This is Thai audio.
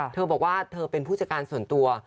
เธอบอกว่าเธอเป็นผู้จัดการส่วนตัว